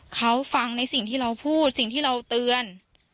เขาฟังในสิ่งที่เราพูดสิ่งที่เราเตือน